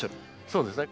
そうですね。